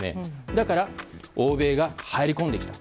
だから、欧米が入り込んできた。